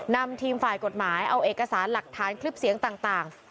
นำทีมฝ่ายกฎหมายเอาเอกสารหลักฐานคลิปเสียงต่าง